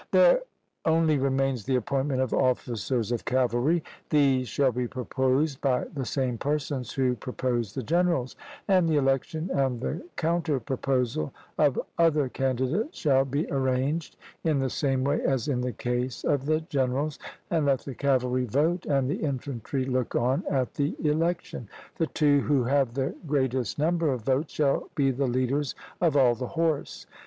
There only remains the appointment of officers of cavalry: these shall be proposed by the same persons who proposed the generals, and the election and the counter proposal of other candidates shall be arranged in the same way as in the case of the generals, and let the cavalry vote and the infantry look on at the election; the two who have the greatest number of votes shall be the leaders of all the horse.